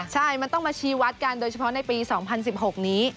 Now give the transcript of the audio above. ใช่มันต้องมาชี้วัดกันโดยเฉพาะในปี๒๐๑๖นี้